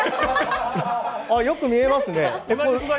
よく見えますね。